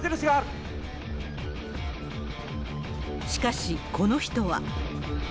しかし、この人は。